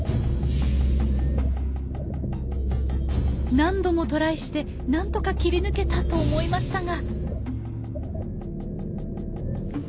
何度もトライして何とか切り抜けたと思いましたが。